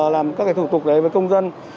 làm các thủ tục đấy với công dân